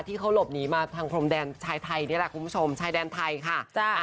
ที่เขาหลบหนีมาทางพรมแดนชายไทยนี่แหละคุณผู้ชมชายแดนไทยค่ะ